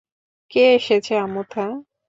কে এসেছে, আমুথা?